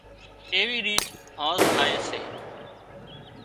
ايوي ريچ هانز ٿائي سي